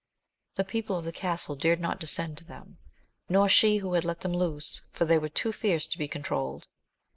The people of the castle dared not descend to them, nor she who had let them loose, for they were too fierce to be controlled.